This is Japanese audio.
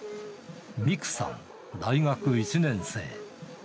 ミクさん大学１年生。